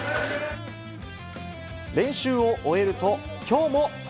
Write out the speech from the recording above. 練習を終えると、きょうもフ